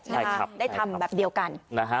ใช่ครับได้ทำแบบเดียวกัน